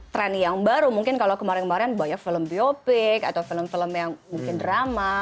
trend yang baru mungkin kalau kemarin kemarin banyak film biopic atau film film yang mungkin drama